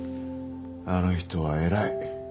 あの人は偉い。